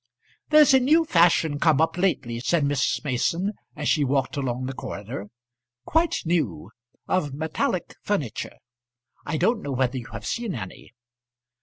"There's a new fashion come up lately," said Mrs. Mason as she walked along the corridor, "quite new: of metallic furniture. I don't know whether you have seen any."